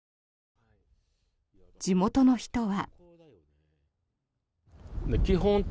地元の人は。